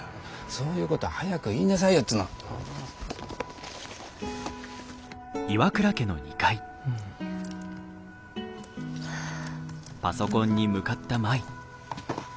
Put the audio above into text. そういうことは早く言いなさいよっつうの。はあ。